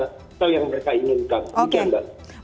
hotel yang mereka inginkan